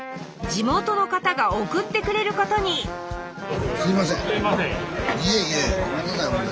地元の方が送ってくれることにごめんなさい